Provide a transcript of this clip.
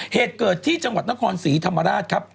เหตุเกิดที่จังหวัดนครศรีธรรมราชครับ